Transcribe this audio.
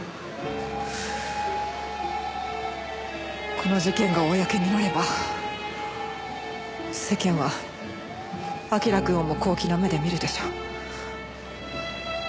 この事件が公になれば世間は明君をも好奇な目で見るでしょう。